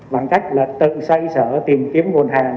bằng cách tự xây sở tìm kiếm nguồn hàng